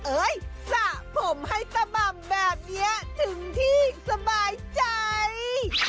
เอ้ยสระผมให้ตะหม่ำแบบนี้ถึงที่สบายใจ